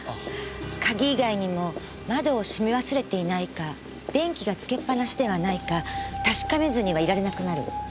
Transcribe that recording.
鍵以外にも窓を閉め忘れていないか電気がつけっ放しではないか確かめずにはいられなくなる。